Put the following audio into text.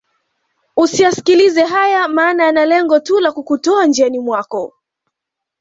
Usiyaskilize haya maana yana lengo tu la kukutoa njiani mwako